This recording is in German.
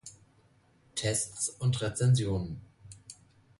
Tests und Rezensionen